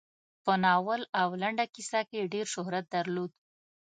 په ناول او لنډه کیسه کې یې ډېر شهرت درلود.